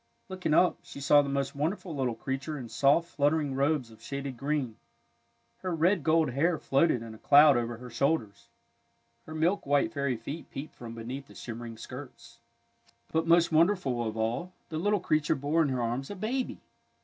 Looking up, she saw the most wonderful little creature in soft, fluttering robes of shaded green. Her red gold hair floated in a cloud over her shoulders. Her milk white fairy feet peeped from beneath the shimmer ing skirts. 34 THE NARCISSUS AND TULIP But most wonderful of all, the little creature bore in her arms a baby!